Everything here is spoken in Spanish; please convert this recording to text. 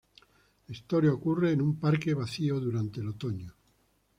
La historia ocurre en un parque vacío durante el otoño.